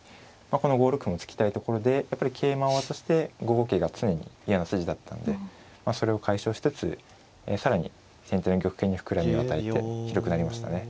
この５六歩も突きたいところでやっぱり桂馬を渡して５五桂が常に嫌な筋だったんでそれを解消しつつ更に先手の玉形に膨らみを与えて広くなりましたね。